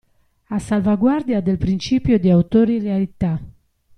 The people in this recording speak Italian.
A salvaguardia del principio di autorialità.